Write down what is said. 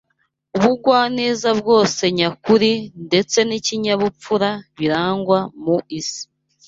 Ubugwaneza bwose nyakuri ndetse n’ikinyabupfura birangwa mu isi